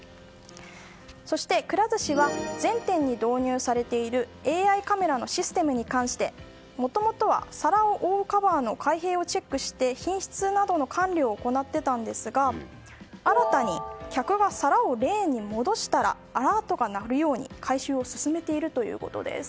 そして、くら寿司は全店で導入されているＡＩカメラのシステムについてもともとは皿を覆うカバーの開閉をチェックして品質などの管理を行っていたんですが、新たに客が皿をレーンに戻したらアラートが鳴るように改修を進めているということです。